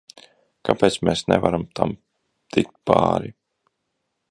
Kāpēc mēs nevaram tam tikt pāri?